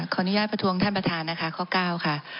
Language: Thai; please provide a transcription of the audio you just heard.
อนุญาตประท้วงท่านประธานนะคะข้อ๙ค่ะ